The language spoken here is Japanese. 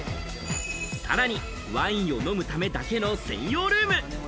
さらにワインを飲むためだけの専用ルーム。